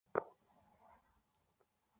দেখো, আব্বু এসে গেছে!